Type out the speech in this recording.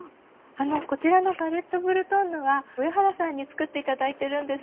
あのこちらのガレットブルトンヌは上原さんに作っていただいてるんです。